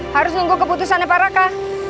harus nunggu keputusannya para ka